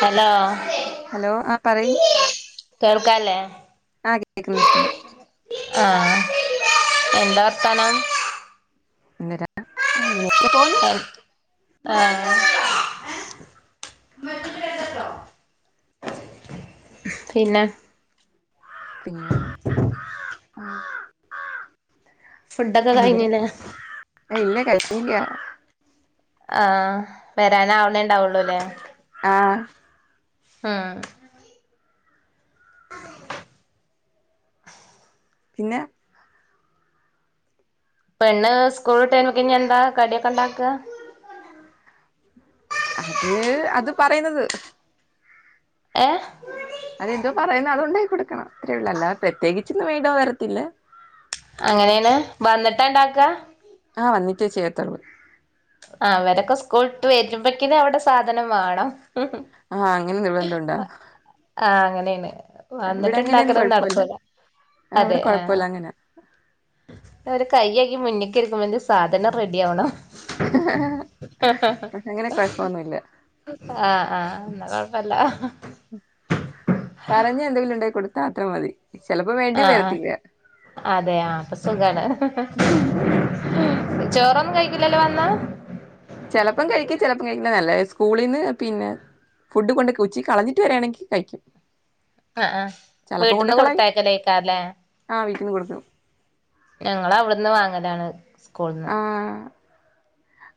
Hello hello ആ പറയ് ക്കല്ലേ ആ കേക്ന്ന് കേക്ന്ന് ആ എന്താ വർത്താനം [unintelligible] പ്പ പോന്ന് ആ പിന്നെ പിന്നെ ആ ക്രാ ക്രാ ഫുഡൊക്കെ കയ്ഞ്ഞില്ലേ ഇല്ല കഴിഞ്ഞില്ല ആ വരാന് ആവ്ണേ ഉണ്ടാവുള്ളൂ ല്ലേ ആ ആ പിന്നെ പെണ്ണ് സ്കൂൾ വിട്ട് രുമ്പോക്നെന്താ കടിയൊക്കെ ഉണ്ടാക്കാ അതിന് അത് പറയുന്നത് ഏ അതെന്തോ പറയുന്ന് അതുണ്ടാക്കി കൊടുക്കണം അത്രേഉള്ളു പ്രത്യേകിച്ചൊന്നും വേണ്ടിവരത്തില്ല അങ്ങനെയാണ് വന്നിട്ടാ ഇണ്ടാക്കാ ആ വന്നിട്ടേ ചെയ്യാത്തോള്ളൂ അവരൊക്കെ സ്കൂൾ വിട്ട് വരുമ്പഴേക്കിന് അവിടെ സാധനം വേണം ആ അങ്ങനെ നിർബന്ധണ്ടോ എണ് വന്നിട്ടുണ്ടാക്കലോന്നും നടക്കൂലാ ഇവിടെ അതെ ആ കുഴപ്പമില്ല അങ്ങനെ ഒര് കൈകഴുകി മുന്നേക്കിരിക്കുമ്പോ സാധനം റെഡി ആവണം ഇവർക്ക് അങ്ങനെ കുഴപ്പൊന്നുല്ല ആ എന്നാ കുഴപ്പല്ല പറഞ്ഞാ എന്തെങ്കിലും ഉണ്ടാക്കി കൊടുക് അത്ര മതി ചിലപ്പോ വേണ്ടി ആഹ് വരത്തില്ല അഹ് അതെയാ അപ്പ സുഖാണ് ചോറൊന്നും കഴി ക്കില്ലല്ലോ വന്ന ചെലപ്പം കഴിക്കും ചെലപ്പം കഴിക്കില്ല നല്ല സ്കൂളീന്ന് പിന്നെ ഫുഡ് കൊണ്ട്ക്കെ ഉച്ചിക്ക് കളഞ്ഞിട്ട് വരാണെങ്കിൽ കഴിക്കും. ആഹ് ആഹ് ചെലപ്പോ വീട്ട്ന്ന് കൊടുത്തയക്കലേക്കാരലേ. ന്ന് കൊടുക്കും. ഞങ്ങള് അവിടുന്ന് വാങ്ങലാണ്. സ് കൂൾന്ന് ആ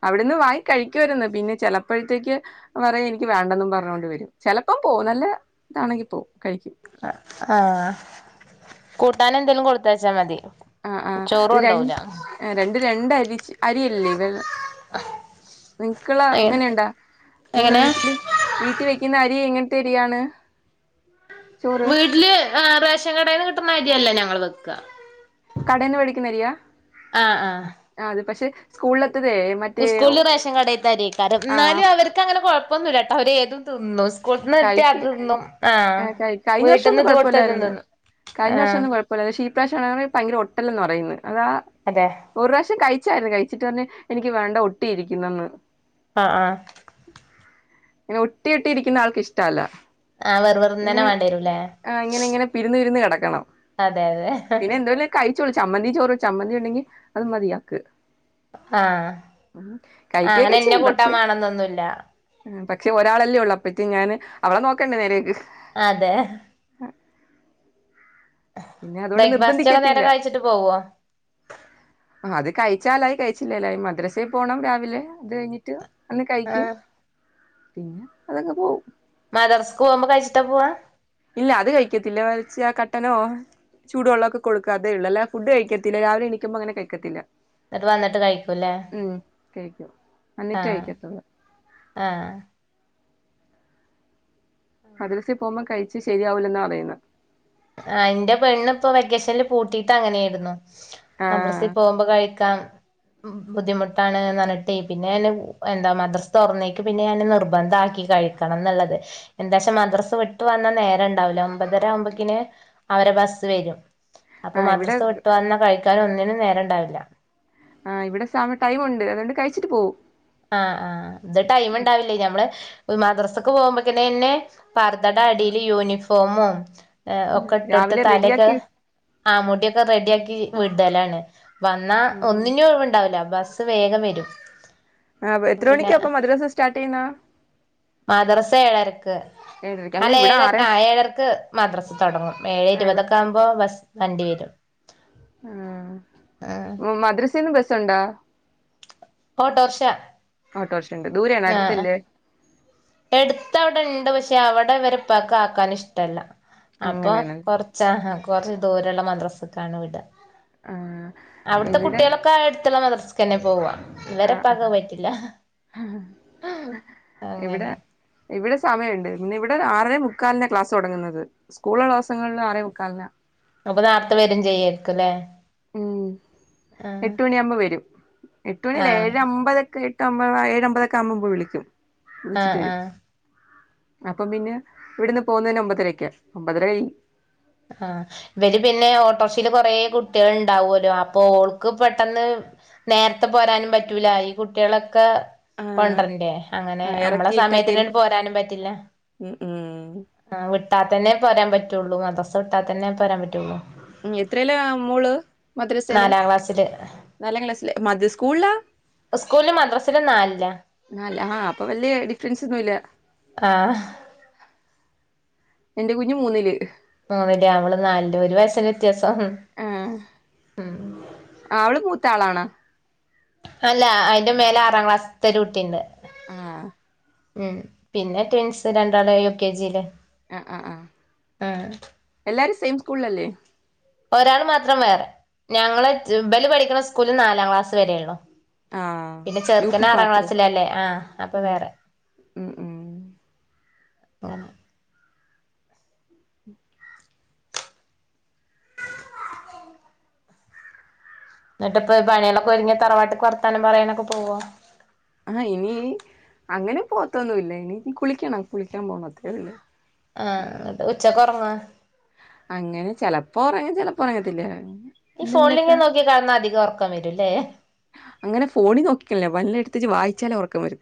അവിടുന്ന് വാങ്ങി കഴിക്കുവായിരുന്ന്. പിന്നെ ചെലപ്പഴ്ത്തേക്ക് പറയും എനിക്ക് വേണ്ടന്നും പറഞ്ഞോണ്ട് വരും ചെലപ്പം പോവും നല്ല ഇതാണെങ്കി പോവും. കഴിക്കും ആഹ് കൂട്ടാൻ എന്തേലും കൊടുത്തയച്ചാ മതി. ആഹ് ആഹ് ചോറ് ഇത് ര കൊണ്ടോവൂല രണ്ട് രണ്ടരി അരിയല്ലേ വെള്ള നിക്കുള്ള അങ്ങനെയുണ്ടാ നിങ്ങള് എങ്ങനെ വീട്ടില് വീട്ടിൽ വെക്കുന്ന അരി എങ്ങനെ- ശരിയാണ് വീട്ടില് ആ റേഷൻ കടേന്ന് കിട്ടുന്ന അരിയല്ല ഞങ്ങള് വെയ്ക്കുക കടെന്ന് മേടിക്കുന്നരിയാ ആ അത് പക്ഷെ- സ്കൂള [unintelligible] സ്കൂളിൽ റേഷൻകടത്തെ അരിയാ കിട്ടാറ് ആ എന്നാലും അവർക്ക് അങ്ങനെ- ഒന്നുമില്ലാട്ടോ അവര് [unintelligible] സ്കൂളിന് കിട്ടിയാ കഴിക്ക് അത് തിന്നും ആ ഏഹ് കഴി കഴിഞ്ഞ വർഷം വീട്ടീന്ന് ഒന്നും ഇത് കൊടുത്താ ഇതും കുഴപ്പമില്ലായിരുന്നു നിന്നും ആ കഴിഞ്ഞ വർഷം ഒന്നും കുഴപ്പമില്ല പക്ഷെ ഈ പ്രാവശ്യമാണെങ്കിൽ ഭയങ്കര ഒട്ടല് എന്ന് പറയുന്നു അതാ ഒരുറാശ്യം കഴിച്ചായിരുന്നു [unintelligible] കഴിച്ചിട്ട് പറഞ്ഞ് എനിക്ക് വേണ്ട ഒട്ടി ഇരിക്കുന്നെന്ന് ആഹ് ആഹ് ഇങ്ങനെ ഒട്ടിയൊട്ടി ഇരിക്കുന്ന ആൾക്ക് ഇഷ് [unintelligible] ആ വെറു വെറുന്നനെ വേണ്ടരൂലേ ആഹ് ഇങ്ങനെ ഇങ്ങനെ പിരുന്ന് [unintelligible] അതെ അതെ പിന്നെ എന്തോലും കഴിച്ചോളൂ ചമ്മന്തി ചോറ് ചമ്മന്തി ഉണ്ടെങ്കിൽ അത് മതിയാക്ക്- ആ ഉം ആ അങ്ങനെ കഴിക്കൊക്കെ ഇന്ന ചെയ്യും കൂട്ടാൻ പക്ഷെ വേണന്നൊന്നുല്ല അപ്പത്തേ ഞാന് അവളെ നോക്കണ്ടേ നേരേക്ക് അതെ പിന്നെ അതുകൊണ്ട് ബ്രേക്ഫാസ്റ്റൊക്കെ നേരെ നിർബന്ധിക്കത്തില്ല കഴിച്ചിട്ട് പോവോ? ച്ചാലായി കഴിച്ചില്ലേലായി മദ്രസേ പോണം രാവിലെ അത് കഴിഞ്ഞിട്ട് അന്ന് കഴിക്കും ആഹ് പിന്നെ അതങ്ങ് പോവും മദർസ്ക്കുമ്പോ കഴിച്ചിട്ടാ പോവാ? ഇല്ല അത് കഴിക്കത്തില്ല, മറിച്ച് ആ കട്ടനോ ചൂടുവെള്ളൊക്കെ കൊടുക്കും അതേ ഉള്ളൂ അല്ലാതെ ഫുഡ് കഴിക്കത്തില്ല രാവിലെ എണിക്കുമ്പോ അങ്ങനെ കഴിക്കത്തില്ല. ന്നിട്ട് വന്നിട്ട് കഴിക്കൂല്ലേ ഉം കഴിക്കും എന്നിട്ടേ ആഹ് കഴിക്കത്തുള്ളൂ ആഹ് മദ്റസേ പോവുമ്പോ കഴി ശരിയാവൂല്ലെന്നാ പറിയുന്നെ. ആ ഇന്റെ പെണ്ണിപ്പൊ വെക്കേഷൻല് പൂട്ടീട്ട് അങ്ങനെയായിരുന്നു. മദ്രസേ ആഹ് പോവുമ്പോ കഴിക്കാം ബുദ്ധിമുട്ടാണ്ന്നറിഞ്ഞിട്ടേ പിന്നെ ഓന് എന്താ മദ്രസ തൊറന്നേക്ക് പിന്നെ ഞാന് നിർബന്ധാക്കി കഴിക്കണംന്നിള്ളത്, എന്താച്ചാ മദ്രസ വിട്ട് വന്നാ നേരംണ്ടാവില ഒമ്പതര ആവുമ്പക്കിന് അവരെ ബസ് വെരും അപ്പൊ ആഹ് ഇവിടെ മദ്രസ വിട്ടുവന്നാ കഴിക്ക് താനും ഒന്നിനും നേരം ഇണ്ടാവില്ല ആഹ് ഇവിടെ സാമ ടൈമുണ്ട് അതുകൊണ്ട് കഴിച്ചിട്ട് പോവും ആഹ് ആഹ് ഇത് ടൈം ഇണ്ടാവില്ലേ ഞമ്മള് മദ്രസക്ക് പോവുമ്പക്ക്നന്നെ പർദ്ദേടടിയില് യൂണിഫോമും ഒക്കെ ഇട്ടൊടുത്ത് രാവിലെ തലെക്കെ റെഡിയാക്കി ആ മുടിയൊക്കെ റെഡിയാക്കി വിടലാണ് വന്നാ ഉം ഒന്നിനും ഒഴിവ് ഇണ്ടാവില്ല ബസ് ബസ് വേഗം വരും ആഹ് അപ്പൊ എത്ര പിന്നെ മണിക്കാ അപ്പം മദ്രസ സ്റ്റാർട്ട്‌ ചെയ്യുന്ന് മദ്രസ ഏഴരക്ക് ഏഴരയ്ക്ക് അല്ല ഇവിടെ ആറേ ഏഴര്ക്കാ ഏഴരക്ക് മദ്രസ തൊടങ്ങും ഏഴേഇരുപതൊക്കെ ആവുമ്പോ ബസ് വണ്ടി വരും ആഹ് ഉം മദ്രസ ബസ് ഉണ്ടോ ഓട്ടോറിക്ഷ ഓട്ടോറിക്ഷയുണ്ട് ദൂരെയാണോ അടുത്തല്ലേ എടുത്ത് അവിടെ ഇണ്ട് പക്ഷെ അവിടെവരെ ഉപ്പാക്ക് ആക്കാൻ ഇഷ്ടല്ല അപ്പൊ അങ്ങനെയാണ് കുറച്ചാ കൊറച്ച് ദൂരള്ള മദ്രസ്ക്കാണ് വിടാ ആഹ് അവിട്ത്തെ ഇവിടെ കുട്ടികളൊക്കെ അടുത്ത് അട്ത്ത്ള്ള മദ്രസ്ക്കന്നെ പോവാ ഇവരെ ആഹ് ഉപ്പാക്ക് ആഹ് അഅ് പറ്റില്ല ഇവിടെ അങ്ങനെ ഇവിടെ സമയമുണ്ട് പിന്നെ ഇവിടെ ആറേ മുക്കാലിനാ ക്ലാസ് തുടങ്ങുന്നത് സ്കൂളുള്ള ദിവസങ്ങളിൽ ആറേ മുക്കാലിനാ അപ്പൊ നേരാത്തെ വരും ചെയ്യരിക്കുല്ലേ ഉം എട്ട് മണിയാകുമ്പോ വരും എട്ടുമണിയല്ല ഏഴ ആഹ് അമ്പതൊക്കെ അമ്പത് ഏഴമ്പതക്കെ ആകുമ്പോ ഉമ്മ വിളിക്കും ആഹ ആഹ അപ്പൊ പിന്നെ ഇവിടന്ന് പോകുന്നതിന്നെ ഒമ്പതരക്കാ ഒമ്പതര കഴിയ്യും ആഹ ഇവര് പിന്നെ ഓട്ടോറിക്ഷൽ കുറേ കുട്ടികൾ ഉണ്ടാവുമല്ലോ അപ്പൊ ഓൾക്ക് പെട്ടെന്ന് നേരത്തെ പോരാനും പറ്റൂല ഈ കുട്ടികളൊക്കെ കുട്ടികളെയൊക്കെ ആഹ് കൊണ്ടരണ്ട അങ്ങനെ ആഹ് നമ്മളെ ഇറക്കിയിട്ടൊക്കെ സമയത്തിന് പോരാനും പറ്റില്ല ഉം ഉം അതന്നെപ്പോ പറയാൻ പറ്റുള്ളൂ തൊട്ടാൽ തന്നെ പറയാൻ പറ്റുള്ളൂ ഉ എത്രല്ല മോള് മദ്രസയില് നാലാം ക്ലാസ്സില് നാലാം ക്ലാസ്ലാലാ സ്കൂളാ സ്കൂളില് മദ്രസില് നാലിലാ നല്ല ആഹ അപ്പൊ വലിയാ ഫ്രണ്ട്സയൊന്നുയില്ല ആഹ എന്റെ കുഞ്ഞു മൂന്നില് മൂന്നില് അവള് നാലില് ഒരു വയസിന്റെ വ്യത്യാസം ആഹ് ആം ആളാണ് അല്ല അതിന്റെ മേലെ ആറാം ക്ലാസ്സിലെത്തെ ഒരു കുട്ടിയുണ്ട് ആ ഉം പിന്നെ ടൂൻസ് രണ്ടാള് യുകെജിയില് ആ ആഹ ആ എല്ലാരും സെയിം സ്കൂളിൽ അല്ലേ ഒരാൾ മാത്രം വേറെ ഞങ്ങള് ഇവർ പഠിക്കണ സ്കൂളിൽ നാലാം ക്ലാസ് വരേള്ളൂ ആഹ് പിന്നെ യു പി ചെറുക്കന ആറാം മാത്രേ ക്ലാസ്സിലല്ലേ ആഹ അപ്പൊ വേറെ ഉം ഉം പ്പോ [inaudible] എന്നിട്ടപ്പൊ പണികളൊക്കെ ഒരുങ്ങിയ തറവാട്ട്ക്ക് വറത്താനും പറയാനൊക്കെ പോവ ആഹ ഇനി അങ്ങനെ പോത്തൊന്നുംല്ല ഇനി കുളിക്കണം കുളിക്കാൻ പോണത്രല്ല ആഹ ഉച്ച കുറങ്ങ അങ്ങനെ ചെിലപ്പോ ഉറങ്ങി ചിലപ്പോ ഉറങ്ങത്തില്ല ഈ ഫോണിലിങ്ങങ് നോക്കി കാണുന്നാ അധികം റക്കം വരൂല്ലേ അങ്ങനെ ഫോണി നോക്കിക്കലേ വല്ല എടുത്തച്ച് വായിച്ചാലല് ഉറക്കം വരുും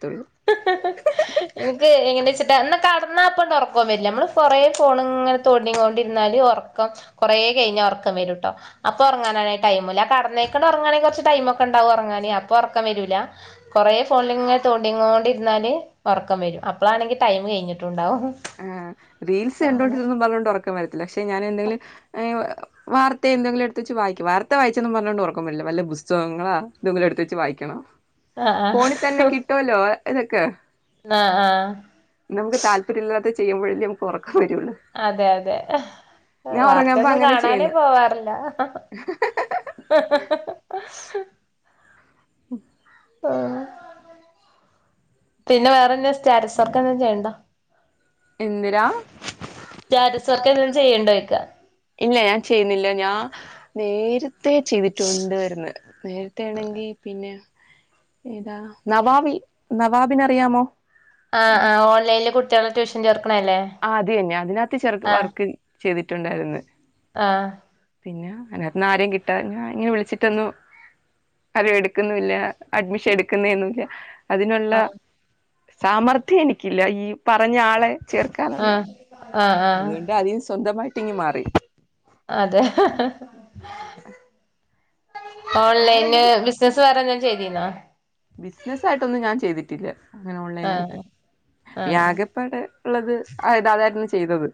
എനിക്ക് എങ്ങനെ ാ കടന്നാപ്പണ്ട് ഉറക്കം വരല്ല നമ്മള് കൊറേ ഫോണ ഇങ്ങനെ തോണ്ടൊണ്ടിരുന്നാല് ഉറക്കം കുറേ കഴിഞ്ഞ ഉറക്കം വരും കേട്ടോ അപ്പൊ ഉറങ്ങാന ടൈംല്ല കടന്നക്കൊണ്ട് ഉറങ്ങാനെങ്ക കുറച്ച് ടൈമ ഒക്കെ ഉണ്ടാവകും ഉറങ്ങാൻ അപ ഉറക്കം വരൂല്ല കൊറേ ഫോണില് കൊണ്ടിരന്നാല്ല് ഉറക്കം വരും അപ്പോളാണെങ്കി ടൈം കഴിഞ്ഞിട്ടുണ്ടാവും ആ റീൽസ് കണ്ടോണ്ടിരുന്നും പറഞ്ഞോണ്ട് ഉറക്കം വര പക്ഷെ ഞാൻ എന്തെങ്കിലും വാർത്തയ എന്തെങ്കിലും എടു വച്ച് വായിക്ക വാർത്ത വായിച്ചൊന്നും പറഞ്ഞോൊണ്ട് ഉറക്കംമില്ല വല്ല പുസ്തകങ്ങളാ എന്തെങ്കിലും എടുത്ത വച്ച് വായിക്കണം ആഹ് ഫോണിൽ തന്നെ കിട്ടുമല്ലോ അതൊക്കെ ആഹ് ആഹ് ത്ത് ചെയ്യുമ്പോഴേക്കും കുറ അതെ അതെ ഞാൻ ഉറങ്ങുമ്പോ വാർത്തയൊന്നും അങ്ങനെ കാണാനേ ചെയ്യുന്നു പോവാറില്ല ഉം ഉം പിന്നെ വേറെന്താ സ്സ്റ്റാറ്റസ് വർക്ക് എന്ത ചെയ്യണ്ടോ എന്തിരാ സ്റ്റാറ്റസ് വർക്ക് എന്തെലും ചെയ്യണ്ടോയ്ക്ക ഇല്ല ഞാൻ ചെയ്യുന്നില്ല ഞാൻ നേരി ത്തെ ചെയ്തിട്ടുണ്ടര്ന്ന് നേരത്ത ആണെങ്കി പിന്നെ ഏതാ നവാബി നവാബിന അറിയാമോ ആഹ് ആഹ് ഓൺലൈല് കുട്ട ട്ട്യക്ക് ട്യൂഷൻ ചേർ ആഹ് അതന്നെ അതിനകത്ത് ചെറ് വർക്ക് ചെയ്തിട്ടുണ്ടായിര്ന്ന് ആഹ് പിന്നെ അതിനത്ത് ആരെയും കിട്ടാ ഞ ഇങ്ങനെ വിളിച്ചിട്ടൊന്നും ആരും എടുക്കുന്നില്ല അഡ്മിഷൻ എടുക്കുന്നുമില്ല അതിനുള്ള ആഹ് സാമർഥ്യം എനിക്കില്ല ഈ പറഞ്ഞ ആളെ ചേ ആഹ് ആഹ് ആഹ് അതിന്ന് സ്വന്തമായിട്ട് ഇങ്ങ് മാറി അതെ ഓൺലൈന് ബിസിനസ് വേറെ എ ചെയ്ദീന്നൊ ബിസിനസ്സയിട്ടൊന്നും ഞാൻ ചെയ്തി ട്ടില്ല അങ്ങനെ ഓൺലൈൻ ആയിട്ട് ആഹ് ആഹ് അപ്യാകെപ്പാടെ ഉള്ളത് ആ ഇതാ അതായിരുന്നു ചെയ്തത്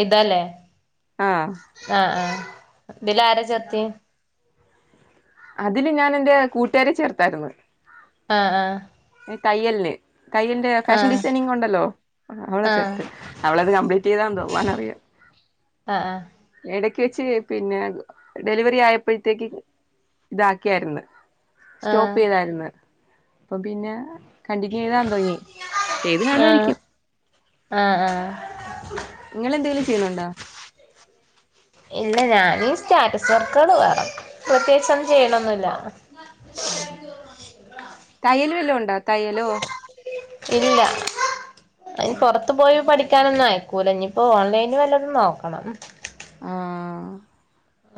എയ്താല്ലേ ആഹ് ആഹ് ആഹ് ഇതിലാരാ ചേർത്തിയെ? അതില് ഞാൻ എന്റെ കൂട്ടുകാരെ ചേർത്തായിരുന്ന്. ആഹ് ആഹ് തയ്യൽന് തയ്യൽന്റെ ഫാഷൻ ആഹ് ഡിസൈനിങ് ഉണ്ടല്ലോ അവളെ ആഹ് ചേർത്ത് അവളത് കംപ്ലീറ്റ് ചെയ്താ എന്തോ ഭാഗവാനാറിയ ആഹ് ആഹ് വെച്ച് പിന്നെ ഡെലിവറി ആയപ്പോഴത്തേക്ക് ഇതാക്കിയായിര്ന്ന് ആഹ് സ്റ്റോപ്പ് ചെയ്തായിര്ന്ന് പ്പം പിന്നെ കണ്ടിന്യൂ ചെയ്താ എന്തോ ചെയ് ചെയ്ത് ആഹ് കാണുവായിരിക്കും. ആഹ് ആഹ് നിങ്ങെളെന്തെലും ചെയ്യ്ണ് ണ്ടോ? ഇല്ല ഞാനീ സ്റ്റാറ്റസ് വർക്കുകൾ വേറ പ്രത്യേകിച്ചൊന്നും ചെയ്യലൊന്നൂല്ല. ആഹ് തയ്യൽ വല്ലോ ഉണ്ടോ തയ്യലോ ഇല്ല അയ്ന് പൊറത്തു പോയി പഠി ക്കാനൊന്നും അയക്കൂല. ഇഞിപ്പോ ഓൺലൈന് വല്ലതും നോക്കണം. ആഹ്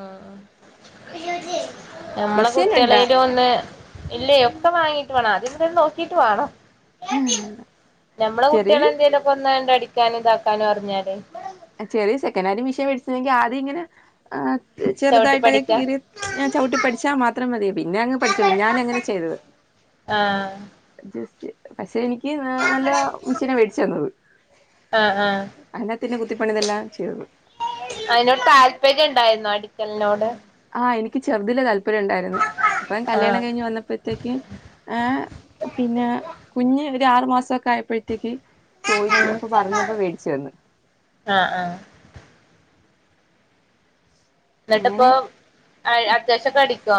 ആഹ് ആഹ് ഞമ്മളെ മിഷീൻ ഉണ്ടാ കുട്ടികളേലു ഒന്ന് ഇല്ലേ ഒക്കെ വാങ്ങീട്ട് വാണം ആദ്യം [unintelligible] നോക്കീട്ട് വാണം. ഞമ്മളെ കുട്ട്യാളെ ചെറിയൊരു എന്തേലൊക്കൊന്നണ്ട് അടി ചിക്കാനും ഇതാക്കാനും അറിഞ്ഞാല് പിന്നൊരു മെഷീൻ വേടിച്ച്ണെങ്കിൽ ആദ്യങ്ങെനെ ആ ചവിട്ടി ചെറുതായിട്ടൊക്കെ പഠിക്കാ കീറി ഞാൻ ചവിട്ടി പഠിച്ചാൽ മാത്രേ മതി പിന്നെ അങ്ങ് പഠിച്ചോളും ഞാൻ അങ്ങന ചെയ്തത് ആഹ് ജസ്റ്റ്‌ പക്ഷെ എനി ക്ക് നല്ല മെഷീന മേടിച്ച തന്നത് ആഹ് ആഹ് അന്നെ പിന്നെ [unintelligible] [unintelligible] പണിതെല്ലാം ചെയ്തത് അതിനോട് താൽപര്യം ഉണ്ടായിരുന്നോ അടിക്കലിനോട് ആ എനിക്ക് ചെറുതിലെ താല്പ പര്യം ഇണ്ടായിരുന്നു ഇപ്പം കല്യാണം ആഹ് കഴിഞ്ഞ് വന്നപ്പഴത്തേക്ക് ഏഹ് പിന്നെ കുഞ്ഞ് ആറ് മാസൊക്കെ ആയപ്പഴത്തേക്ക് ചോയിച്ചു ഉം അപ്പൊ പറഞ്ഞപ്പോ മേടിച്ച് തന്ന് ആഹ് ആഹ് എന്നിട്ടിപ്പൊ അങ്ങനെ അയ് അത്യാവശ്യഒക്കെ അടിക്കോ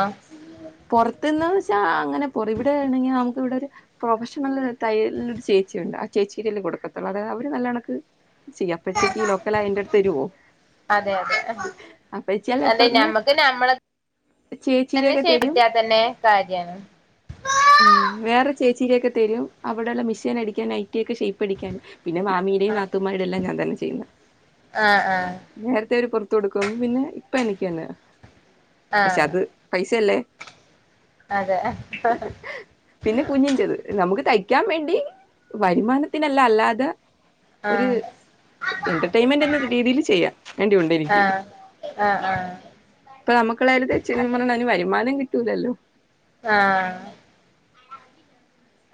പുറത്ത്ന്ന് വെച്ചാ അങ്ങനെ ഓർ ഇവിടെ ആണെങ്കി നമുക്ക് ഇവിടെ ഒരു പ്രൊഫഷണൽ തയ്യൽ ഒരു ചേച്ചി ഉണ്ട് ആ ചേച്ചിടെല്ലേ കൊടുക്കത്തുള്ളൂ അതായത് അവര് നല്ല കണക്ക് ചെയ്യും അപ്പഴത്തേക്ക് ഈ ലോക്കൽ അയ എന്റെ അടുത്ത് വരുവോ അതെ അതെ അപ്പേച്ചി അല്ലെ ഇപ്പറത്ത്ന്ന് ചേച്ചിടെ [unintelligible] കിട്ടിയാ തന്നെ കാര്യാണ് ഉം വേറെ ചേച്ചീടെയൊക്കെ തരും അവിടെയുള്ള മെഷീൻ അടിക്കാൻ നൈറ്റി ഒക്കെ ഷേയ്പ് അടിക്കാൻ പിന്നെ മാമിയുടെയും നാത്തൂമാരുടെയും എല്ലാം ഞാൻ തന്നെ ചെയ്യുന്നെ ആഹ് ആഹ് നേരത്തെ അവര് പൊറത്ത് കൊടുക്കും ഇപ്പം പിന്നെ ഇപ്പം എനിക്ക് തന്നെ പക്ഷെ ആഹ് അത് പൈസയല്ലേ അതെ ആഹ് പിന്നെ കുഞ്ഞിൻ്റെത് നമുക്ക് തയ് ക്കാൻ വേണ്ടി വരുമാനത്തിനല്ല അല്ലാതെ ഒരു ആഹ് എന്റർമെന്റ് എന്ന രീതിൽ ചെയ്യാ വേണ്ടിയുണ്ട് എനിക്ക് ആഹ് ആഹ് ഇപ്പ നമുക്കുള്ളായാര് തയ്ച്ച് തരും അതും കിട്ടൂല്ലല്ലോ ആ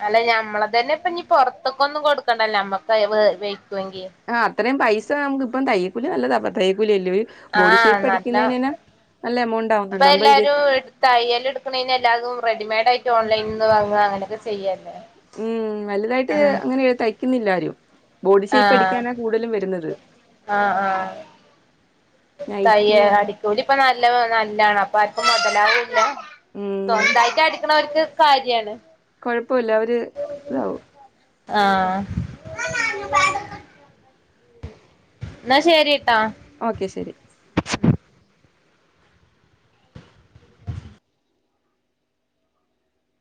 അല്ല ഞമ്മള തന്നെ ഇപ്പ ഇനി പുറത്തേക്ക് ഒന്നും കൊടുക്കണ്ടല്ലേ നമ്മക്ക് വെയ്ക്കുവെങ്കി ആ അത്രയും പൈസ നമുക്കിപ്പം ത തയ്യകുലിനല്ലതാ ആ നല്ല നല്ല എമൗണ്ട് ഇപ്പ ആവുന്നുണ്ട് അമ്പത് എല്ലാരും രൂപക്ക് തയ്യൽ എടുക്കണേന് എല്ലാരും റെഡിമേഡ് ആയി ഓൺലൈനിന്ന് വാങ്ങുക അങ്ങനെയൊക്കെ ചെയ്യരുന്നു ഉം വലുതായിട്ട് അങ്ങനെ തയ്ക്കുന്നില്ല ആരും ബോഡി ആ ഷേപ്പ് അടിക്കാനാ കൂടുതലും വരുന്നത് ആ ആ തയ്യ നൈറ്റി അത്. അടിക്കൂലി ഇപ്പൊ നല്ല നല്ലാണ് അപ്പം മുതലാവൂല്ല ഉം സ്വന്തായിട്ട് അടിക്കണവർക്ക് കാര്യാണ് ഇപ്പല്ല അവര് ഇതാവും ആ എന്ന ശരി ഓക്കെ ശരി